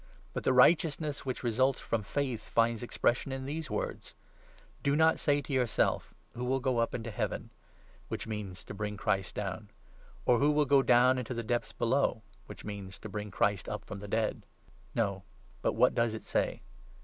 But 6 the righteousness which results from faith finds expression in these words —' Do not say to yourself "Who will go up into heaven ?" '—which means to bring Christ down — 'or "Who 7 will go down into the depths below ?"'— which means to bring Christ up from the dead. No, but what does it say